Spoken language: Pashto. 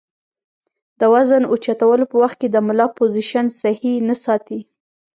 د وزن اوچتولو پۀ وخت د ملا پوزيشن سهي نۀ ساتي